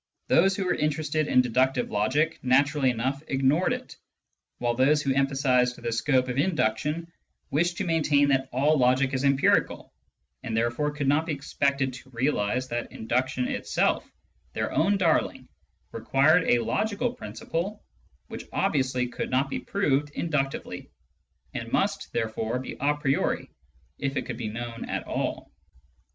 Those who were interested in deductive logic naturally enough ignored it, while those who emphasised the scope of induction wished to maintain that all logic is empirical. Digitized by Google ON THE NOTION OF CAUSE 223 and therefore could not be expected to realise that induction itself, their own darling, required a logical principle which obviously could not be proved induc tively, and must therefore be a priori if it could be known at all.